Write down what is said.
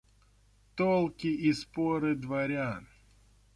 Толки и споры дворян.